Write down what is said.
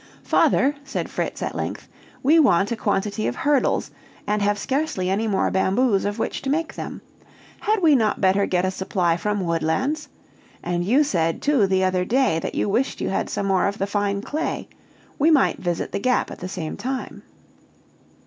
"Father," said Fritz at length, "we want a quantity of hurdles, and have scarcely any more bamboos of which to make them. Had we not better get a supply from Woodlands? And you said, too, the other day, that you wished you had some more of the fine clay: we might visit the Gap at the same time."